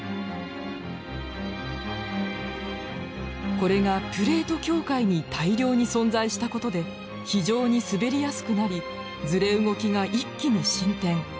これがプレート境界に大量に存在したことで非常に滑りやすくなりずれ動きが一気に進展。